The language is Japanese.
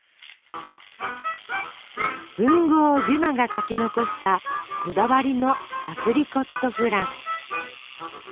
文豪デュマが書き残したこだわりのアプリコットフラン。